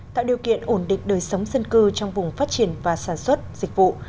tạo điều kiện ổn định đời sống dân cư trong vùng phát triển và sản xuất dịch vụ